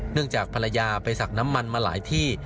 เนื่องจากภรรยาไปศักดิ์น้ำมันมาหลายที่